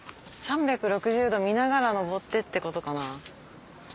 ３６０度見ながら上ってってことかな。